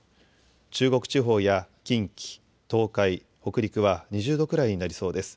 中国地方や近畿、東海、北陸は２０度くらいになりそうです。